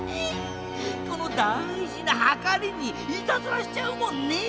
このだいじなはかりにいたずらしちゃうもんねぇ！